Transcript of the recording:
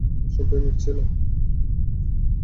এসো, প্রেমিক ছেলে।